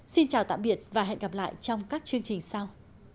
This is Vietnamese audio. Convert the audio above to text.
xin chào tạm biệt và hẹn gặp lại trong các chương trình sau